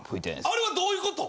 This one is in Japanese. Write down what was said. あれはどういうこと？